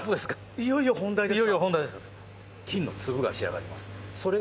いよいよ本題ですか。